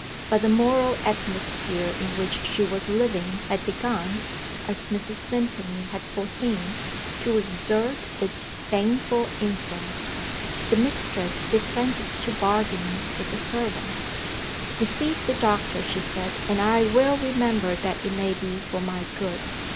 But the moral atmosphere in which she was living had begun, as Mrs. Vimpany had foreseen, to exert its baneful influence. The mistress descended to bargaining with the servant. "Deceive the doctor," she said, "and I well remember that it may be for my good."